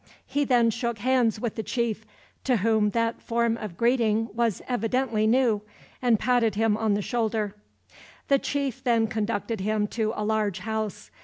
He then shook hands with the chief, to whom that form of greeting was evidently new, and patted him on the shoulder. The chief then conducted him to a large house.